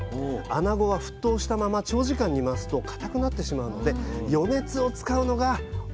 あなごは沸騰したまま長時間煮ますとかたくなってしまうので余熱を使うのがおすすめなんです。